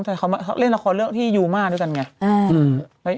แต่เขามาเล่นละครเรื่องที่ยูมาด้วยกันไง